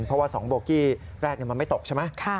เพราะว่า๒โบกี้แรกมันไม่ตกใช่ไหม